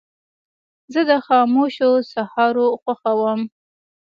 زه د خاموشو سهارو خوښوم.